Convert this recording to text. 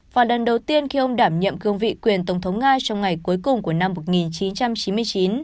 vào lần đầu tiên khi ông đảm nhiệm cương vị quyền tổng thống nga trong ngày cuối cùng của năm một nghìn chín trăm chín mươi chín